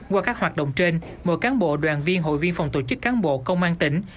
qua các hoạt động trên mỗi cán bộ đoàn viên hội viên phòng tổ chức cán bộ công an tỉnh